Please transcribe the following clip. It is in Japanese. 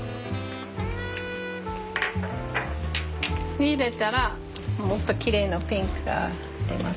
入れたらもっときれいなピンクが出ますね。